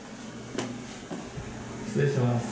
失礼します。